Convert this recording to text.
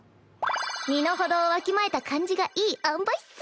身の程をわきまえた感じがいいあんばいっス。